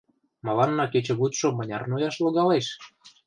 — Мыланна кечыгутшо мыняр нояш логалеш?